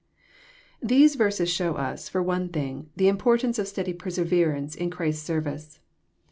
These verses show us, for one thing, the importance of steady perseverance in Christ* 8 service.